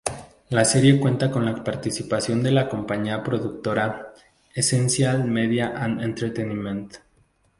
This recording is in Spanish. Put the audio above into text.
La serie cuenta con la participación de la compañía productora "Essential Media and Entertainment".